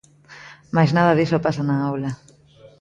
Mais nada diso pasa na aula.